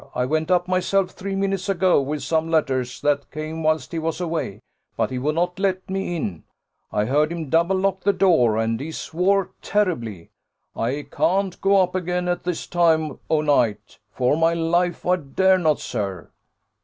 I went up myself three minutes ago, with some letters, that came whilst he was away, but he would not let me in. I heard him double lock the door, and he swore terribly. I can't go up again at this time o'night for my life I dare not, sir."